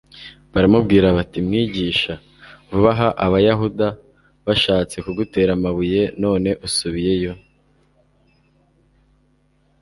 Baramubwira bati: "Mwigisha, vuba aha abayuda bashatse kugutera amabuye none usubiyeyo?"